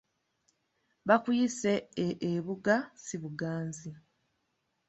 Bakuyise e ebuga si buganzi.